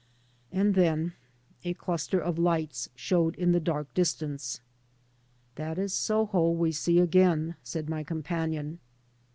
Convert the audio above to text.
And then a cluster of lights showed in the dark distance. " That is Soho we see again," said my companion.